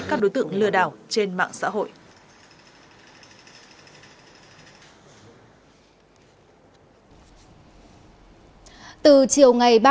các đối tượng có thể nhận được những lời mời chào hứa hẹn hấp dẫn về việc nhẹ lương cao tặng quà